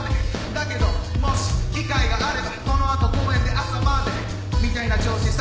だけどもし機会があればこのあと公園で朝までみたいな調子さ